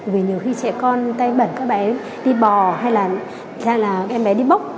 vì nhiều khi trẻ con tay bẩn các bé đi bò hay là em bé đi bốc